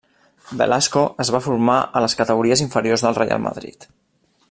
Velasco es va formar a les categories inferiors del Reial Madrid.